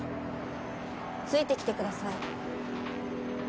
ついてきてください。